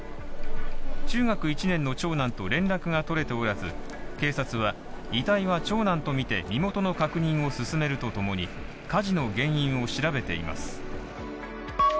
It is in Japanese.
中学１年の長男と連絡がとれておらず警察は遺体は長男とみて身元の確認を進めるとともに、火事の原因を調べています。